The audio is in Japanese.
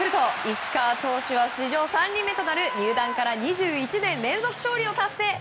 石川投手は史上３人目となる入団から２１年連続勝利を達成。